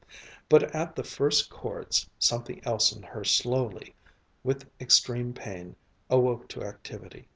But at the first chords something else in her, slowly, with extreme pain, awoke to activity.